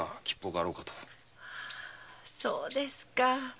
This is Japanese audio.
そうですか。